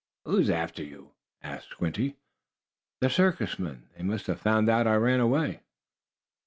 "Who is after you?" asked Squinty. "The circus men. They must have found out I ran away."